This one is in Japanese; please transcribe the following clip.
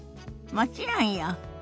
もちろんよ。